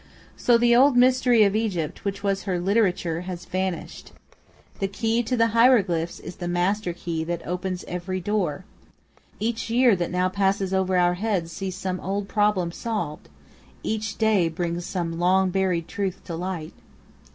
So the old mystery of Egypt, which was her literature, has vanished. The key to the hieroglyphs is the master key that opens every door. Each year that now passes over our heads sees some old problem solved. Each day brings some long buried truth to light.